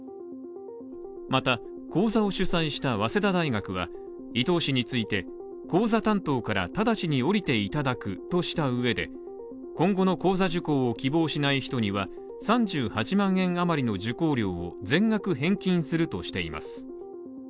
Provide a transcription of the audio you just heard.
また、講座を主催した早稲田大学は伊東氏について講座担当から直ちに降りていただくとした上で今後の講座受講を希望しない人には３８万円余りの受講料を全額返金するとしています